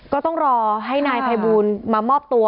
ก็ต้องรอให้นายภัยบูลมามอบตัว